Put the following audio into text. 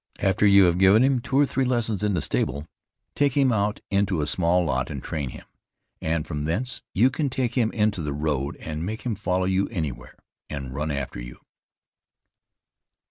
After you have given him two or three lessons in the stable, take him out into a small lot and train him; and from thence you can take him into the road and make him follow you anywhere, and run after you.